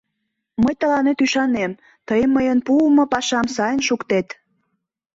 Мый тыланет ӱшанем, тый мыйын пуымо пашам сайын шуктет.